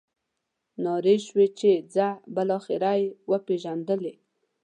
نارې شوې چې ځه بالاخره یې وپېژندلې.